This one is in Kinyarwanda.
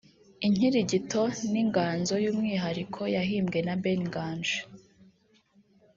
Inkirigito ni inganzo y’umwihariko yahimbwe na Ben Nganji